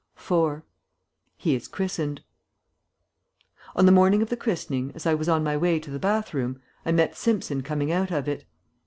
IV. HE IS CHRISTENED On the morning of the christening, as I was on my way to the bathroom, I met Simpson coming out of it.